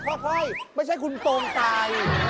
ไม่ใช่คุณโปรงใจ